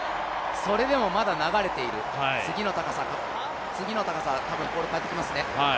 それでもまだ流れている、次の高さたぶんポール変えてきますね。